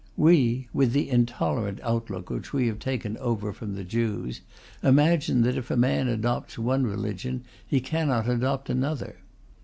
We, with the intolerant outlook which we have taken over from the Jews, imagine that if a man adopts one religion he cannot adopt another.